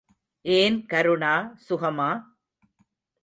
ஏன் கருடா சுகமா?